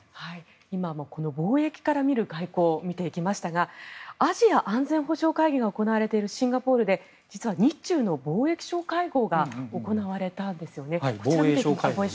今、貿易から見る外交を見てきましたがアジア安全保障会議が行われているシンガポールで日中の貿易相会合が行われたんですね。